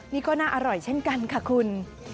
นี่ก็น่าอร่อยเช่นกันค่ะคุณ